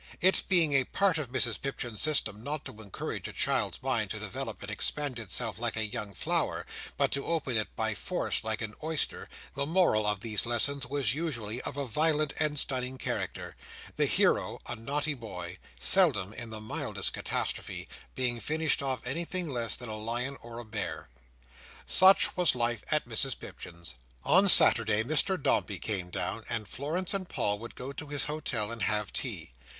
It being a part of Mrs Pipchin's system not to encourage a child's mind to develop and expand itself like a young flower, but to open it by force like an oyster, the moral of these lessons was usually of a violent and stunning character: the hero—a naughty boy—seldom, in the mildest catastrophe, being finished off anything less than a lion, or a bear. Such was life at Mrs Pipchin's. On Saturday Mr Dombey came down; and Florence and Paul would go to his Hotel, and have tea.